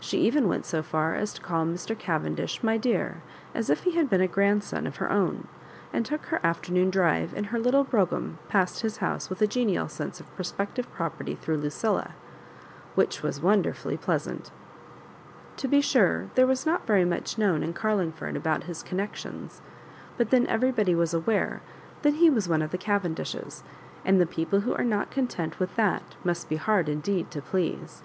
She even went so far as to call Mr. Cavendish " my dear," as if he had been a grandson of her own, and took her afternoon drive in her little brougham past his house with a genial sense of prospective property through Lucilla, which was wonderfully pleasant To be sure there was not very much known in Carlingford about his con nections ; but then everybody was aware that he was one of the Cavendishes, and the people who are not content with that must be hard indeed to please.